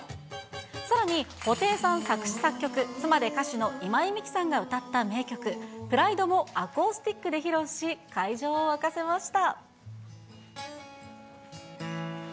さらに、布袋さん作詞作曲、妻で歌手の今井美樹さんが歌った名曲、ＰＲＩＤＥもアコースティックで披露し、会場を沸かせました。